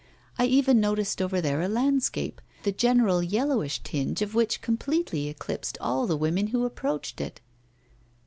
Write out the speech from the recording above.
I even noticed over there a landscape, the general yellowish tinge of which completely eclipsed all the women who approached it.